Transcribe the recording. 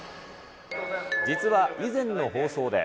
実は以前の放送で。